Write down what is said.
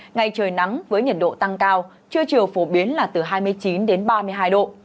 ngày trời nắng với nhiệt độ tăng cao trưa chiều phổ biến là từ hai mươi chín đến ba mươi hai độ